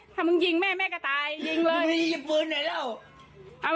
ถ้ามึงยิงแม่แม่ก็ตายยิงเลยมีปืนไหนแล้ว